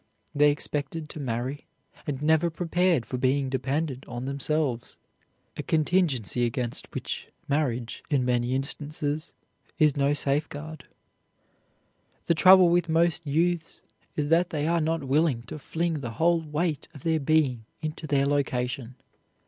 They expected to marry, and never prepared for being dependent on themselves, a contingency against which marriage, in many instances, is no safeguard. The trouble with most youths is that they are not willing to fling the whole weight of their being into their location.